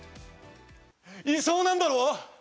いそうなんだろ？